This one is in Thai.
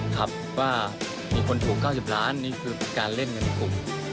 ครับว่ามีคนถูก๙๐ล้านนี่คือการเล่นในกลุ่ม